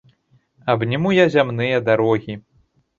Абніму я зямныя дарогі.